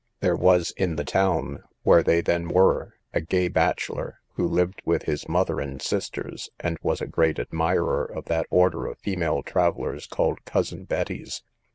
There was in the town, where they then were, a gay bachelor, who lived with his mother and sisters, and was a great admirer of that order of female travellers called Cousin Betties.